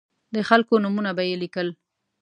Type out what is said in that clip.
د خلکو نومونه به یې لیکل.